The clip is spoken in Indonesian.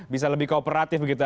bisa lebih kooperatif begitu